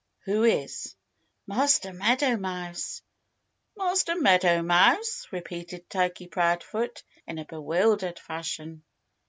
"Who is?" "Master Meadow Mouse!" "Master Meadow Mouse!" repeated Turkey Proudfoot in a bewildered fashion.